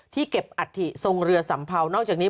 เก็บอัฐิทรงเรือสัมเภานอกจากนี้